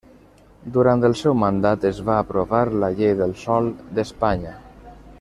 Durant el seu mandat es va aprovar la Llei del Sòl d'Espanya.